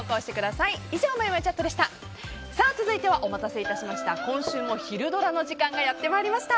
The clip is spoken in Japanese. さてお待たせしました今週もひるドラ！の時間がやってまいりました。